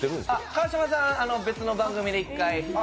川島さんは別の番組で１回。